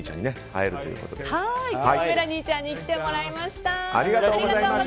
今日はメラニーちゃんに来てもらいました。